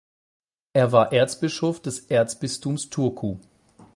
Er war Erzbischof des Erzbistums Turku.